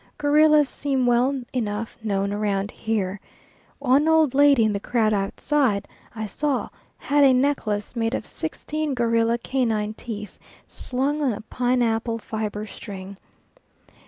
Gorillas seem well enough known round here. One old lady in the crowd outside, I saw, had a necklace made of sixteen gorilla canine teeth slung on a pine apple fibre string.